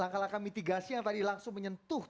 laka laka mitigasi yang tadi langsung diimplementasikan